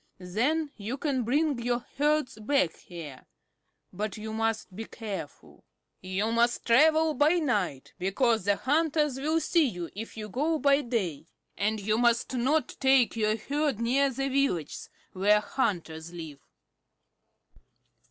Then you can bring your herds back here. But you must be careful. "You must travel by night, because the hunters will see you if you go by day. And you must not take your herd near the villages where hunters live."